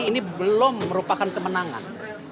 ini belum merupakan kemenangan